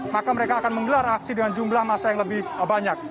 maka mereka akan menggelar aksi dengan jumlah masa yang lebih banyak